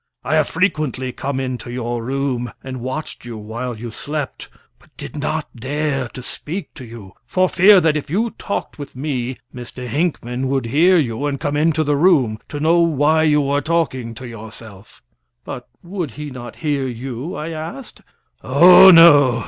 I have frequently come into your room, and watched you while you slept, but did not dare to speak to you for fear that if you talked with me Mr. Hinckman would hear you, and come into the room to know why you were talking to yourself." "But would he not hear you?" I asked. "Oh, no!"